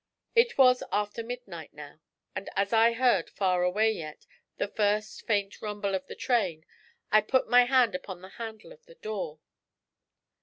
It was after midnight now, and as I heard, far away yet, the first faint rumble of the train, I put my hand upon the handle of the door.